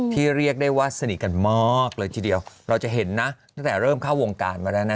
เรียกได้ว่าสนิทกันมากเลยทีเดียวเราจะเห็นนะตั้งแต่เริ่มเข้าวงการมาแล้วนะ